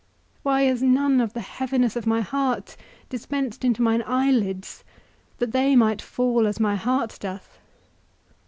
Why is none of the heaviness of my heart dispensed into mine eye lids, that they might fall as my heart doth?